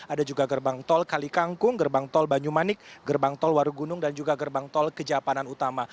ada juga gerbang tol kalikangkung gerbang tol banyumanik gerbang tol warugunung dan juga gerbang tol kejapanan utama